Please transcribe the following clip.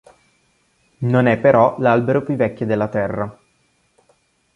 Non è però l'albero più vecchio della Terra.